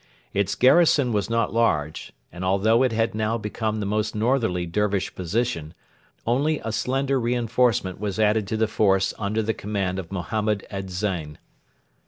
Its garrison was not large, and although it had now become the most northerly Dervish position, only a slender reinforcement was added to the force under the command of Mohammed ez Zein.